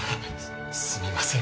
すみません。